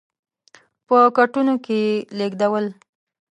په کټونو کې یې لېږدول.